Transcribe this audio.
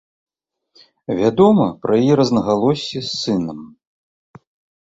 Вядома пра яе рознагалоссі з сынам.